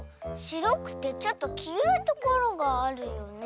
しろくてちょっときいろいところがあるよね。